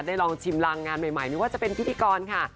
ลองชิมรางงานใหม่ไม่ว่าจะเป็นพิธีกรค่ะ